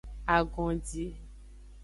Agondi.